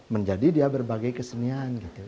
menjadi dia berbagai kesenian